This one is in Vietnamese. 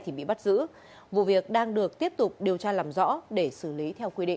thì bị bắt giữ vụ việc đang được tiếp tục điều tra làm rõ để xử lý theo quy định